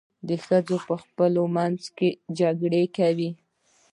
ښځې په خپلو منځو کې جنګ کوي.